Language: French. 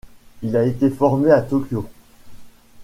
Il a été formé à Tokyo.